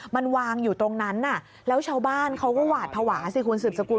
มันวางอยู่ตรงนั้นแล้วชาวบ้านเขาก็หวาดภาวะสิคุณสืบสกุล